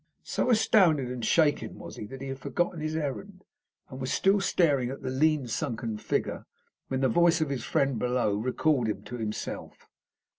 So astounded and shaken was he that he had forgotten his errand, and was still staring at the lean, sunken figure when the voice of his friend below recalled him to himself.